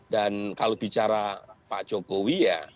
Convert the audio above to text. dan kalau bicara pak jokowi ya